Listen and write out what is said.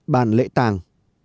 bàn lễ tàng